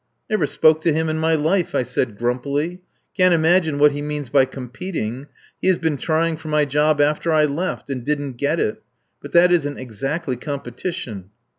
"Never spoke to him in my life," I said grumpily. "Can't imagine what he means by competing. He has been trying for my job after I left and didn't get it. But that isn't exactly competition."